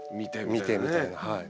見てみたいなはい。